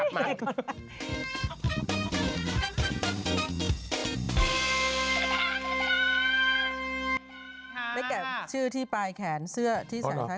สีเหลืองที่พบมันว่าเป็นยัน